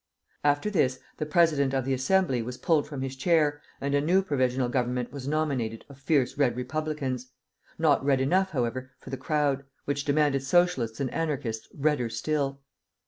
After this the president of the Assembly was pulled from his chair, and a new provisional government was nominated of fierce Red Republicans, not red enough, however, for the crowd, which demanded Socialists and Anarchists redder still.